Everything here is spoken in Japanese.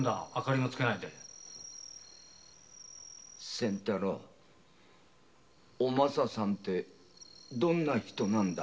仙太郎お政さんてどんな人なんだ？